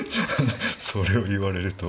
それを言われると。